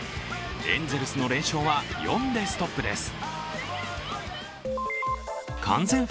エンゼルスの連勝は４でストップです。